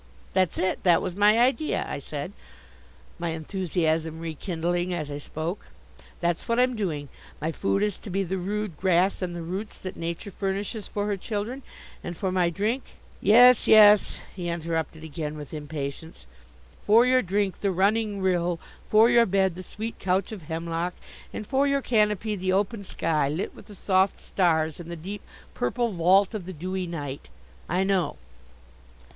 "That's it. That was my idea," I said, my enthusiasm rekindling as I spoke. "That's what I'm doing; my food is to be the rude grass and the roots that Nature furnishes for her children, and for my drink " "Yes, yes," he interrupted again with impatience, "for your drink the running rill, for your bed the sweet couch of hemlock, and for your canopy the open sky lit with the soft stars in the deep purple vault of the dewy night. I know."